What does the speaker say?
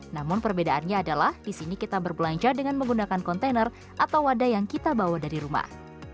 namun perbedaannya adalah di sini kita berbelanja dengan menggunakan kontainer atau wadah yang kita bawa dari rumah